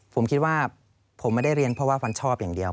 ผมคิดว่าผมไม่ได้เรียนเพราะว่าฟันชอบอย่างเดียว